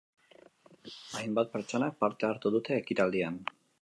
Hainbat pertsonak parte hartu dute ekitaldian.